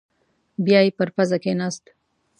بيايې پر پزه کېناست.